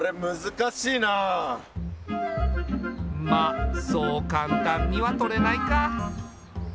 まあそう簡単にはとれないか。